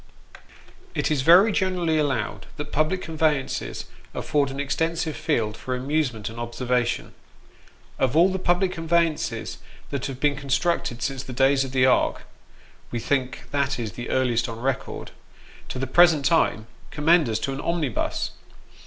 IT is very generally allowed that public conveyances afford an extensive field for amusement and observation. Of all the public conveyances that have been constructed since the days of the Ark wo think that is the earliest on record to the present time, commend us to an omnibus.